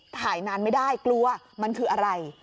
ถ่ายนานไม่ได้กลัวมันคืออะไร